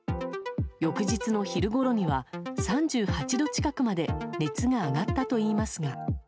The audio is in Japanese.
翌日の昼ごろには３８度近くまで熱が上がったといいますが。